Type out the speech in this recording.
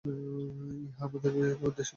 ইহা আমাদের দেশের পদ্ধতি নহে।